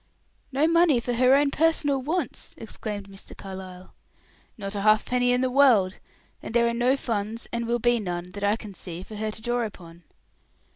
"No money for her own personal wants!" exclaimed Mr. Carlyle. "Not a halfpenny in the world. And there are no funds, and will be none, that I can see, for her to draw upon."